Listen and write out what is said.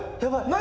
何？